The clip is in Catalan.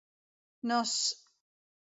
No s